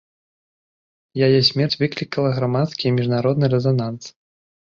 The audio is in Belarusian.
Яе смерць выклікала грамадскі і міжнародны рэзананс.